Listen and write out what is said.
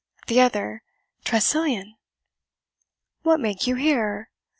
the other "Tressilian!" "What make you here?"